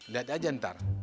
lihat aja ntar